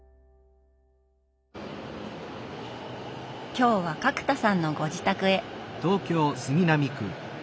今日は角田さんのご自宅へ。